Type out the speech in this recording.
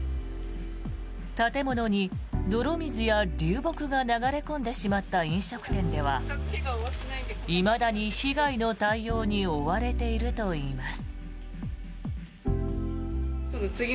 建物に泥水や流木が流れ込んでしまった飲食店ではいまだに被害の対応に追われているといいます。